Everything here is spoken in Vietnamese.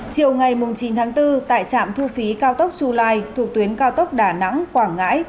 chiều ngày chín tháng bốn tại trạm thu phí cao tốc chu lai thuộc tuyến cao tốc đà nẵng quảng ngãi